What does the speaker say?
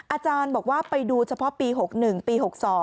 อาจารย์บอกว่าไปดูเฉพาะปี๖๑ปี๖๒